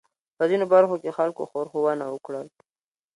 په ځینو برخو کې خلکو ښورښونه وکړل.